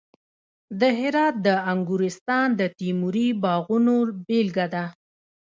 د هرات د انګورستان د تیموري باغونو بېلګه ده